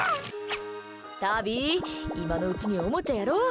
タビ、今のうちにおもちゃやろう！